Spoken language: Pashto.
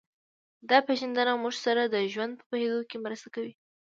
دا پېژندنه موږ سره د ژوند په پوهېدو کې مرسته کوي